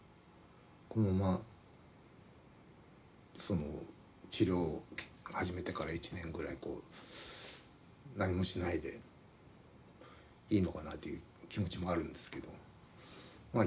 このままその治療を始めてから１年ぐらいこう何もしないでいいのかなという気持ちもあるんですけどまあ